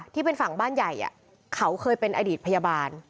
ที่เป็นฝั่งบ้านใหญ่เขาเคยเป็นอดีตพยาบาล